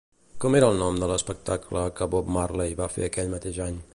Com era el nom de l'espectacle que Bob Marley va fer aquell mateix any?